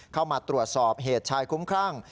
เข้ามาตรวจสอบเหตุชายคุ้มครั่ง